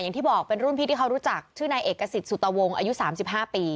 อย่างที่บอกเป็นรุ่นพี่ที่เขารู้จักชื่อในเอกสิทธิ์สุตวงอายุสามสิบห้าปี